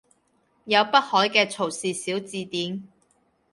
有北海嘅曹氏小字典